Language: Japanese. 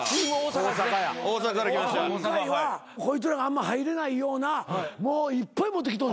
今回はこいつらがあんま入れないようなもういっぱい持ってきとん。